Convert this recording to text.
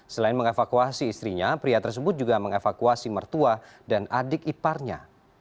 selain mengevakuasi istrinya pria tersebut juga mengevakuasi mertua dan adik iparnya